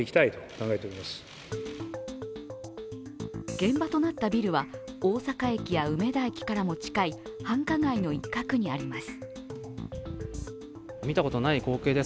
現場となったビルは大阪駅や梅田駅からも近い繁華街の一角にあります。